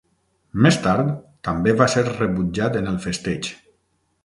Més tard, també va ser rebutjat en el festeig.